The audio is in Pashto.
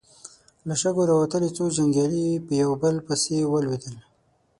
له شګو راوتلې څو جنګيالي يو په بل پسې ولوېدل.